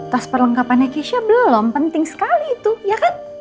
tas perlengkapannya kisha belum penting sekali tuh ya kan